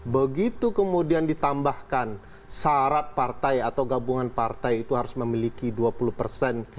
begitu kemudian ditambahkan syarat partai atau gabungan partai itu harus memiliki dua puluh persen